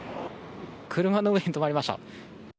車の上に止まりました。